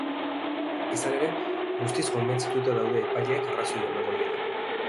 Izan ere, guztiz konbentzituta daude epaileek arrazoia emango dietela.